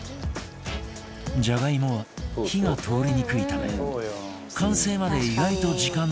じゃがいもは火が通りにくいため完成まで意外と時間のかかる料理だが